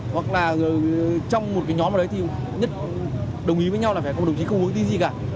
hoặc là trong một cái nhóm ở đấy thì nhất đồng ý với nhau là phải có một đồng chí không uống đi gì cả